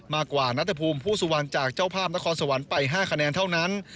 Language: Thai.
มากกว่านัตรภูมิผู้สุวรรค์จากเจ้าพร่ำและคอสวรรค์ไป๕คะแนนเท่านั้น